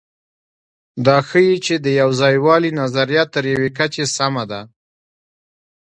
دا ښيي، چې د یوځایوالي نظریه تر یوې کچې سمه ده.